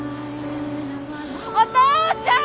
お父ちゃん！